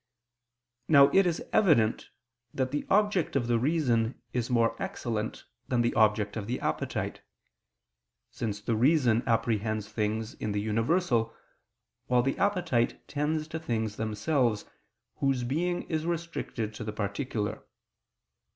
Now it is evident that the object of the reason is more excellent than the object of the appetite: since the reason apprehends things in the universal, while the appetite tends to things themselves, whose being is restricted to the particular.